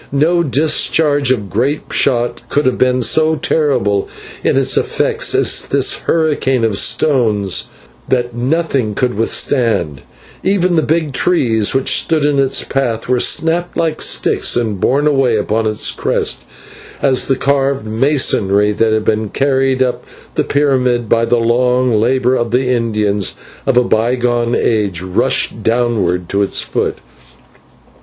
No discharge of grape shot could have been so terrible in its effects as this hurricane of stones that nothing could withstand, for even the big trees which stood in its path were snapped like sticks and borne away upon its crest, as the carved masonry that had been carried up the pyramid by the long labour of the Indians of a bygone age, rushed downward to its foot.